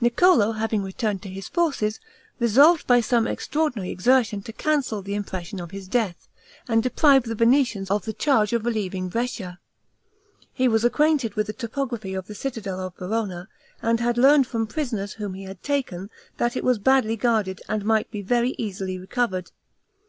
Niccolo, having returned to his forces, resolved by some extraordinary exertion to cancel the impression of his death, and deprive the Venetians of the change of relieving Brescia. He was acquainted with the topography of the citadel of Verona, and had learned from prisoners whom he had taken, that it was badly guarded, and might be very easily recovered.